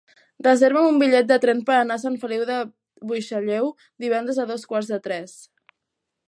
Reserva'm un bitllet de tren per anar a Sant Feliu de Buixalleu divendres a dos quarts de tres.